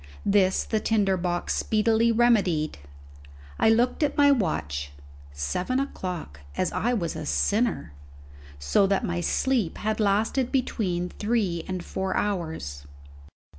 This the tinder box speedily remedied. I looked at my watch seven o'clock, as I was a sinner! so that my sleep had lasted between three and four hours.